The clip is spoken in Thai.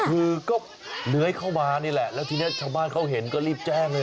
คือก็เลื้อยเข้ามานี่แหละแล้วทีนี้ชาวบ้านเขาเห็นก็รีบแจ้งเลย